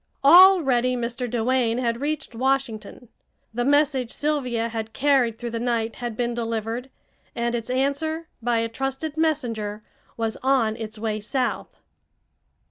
Already Mr. Doane had reached Washington; the message Sylvia had carried through the night had been delivered, and its answer, by a trusted messenger, was on its way south.